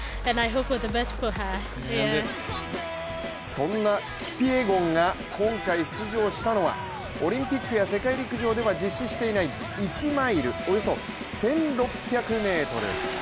そんなキピエゴンが今回出場したのはオリンピックや世界陸上では実施していない１マイル、およそ１６００ｍ。